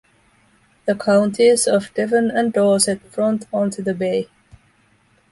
The counties of Devon and Dorset front onto the bay.